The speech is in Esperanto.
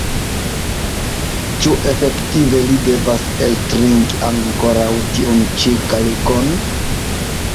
Ĉu efektive li devas eltrinki ankoraŭ tiun ĉi kalikon?